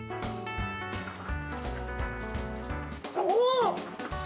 お！